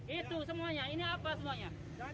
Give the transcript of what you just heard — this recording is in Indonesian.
itu semuanya ini apa semuanya